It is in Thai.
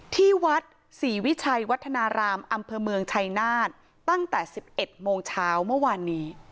ที่วัดศรีวิชัยวัฒนารามอำเภอเมืองชัยนาฏตั้งแต่๑๑โมงเช้าเมื่อวานนี้